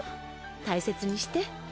大切にして。